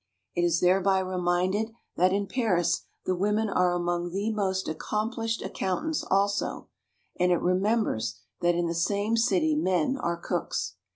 It is thereby reminded that in Paris the women are among the most accomplished accountants also; and it remembers that in the same city men are cooks.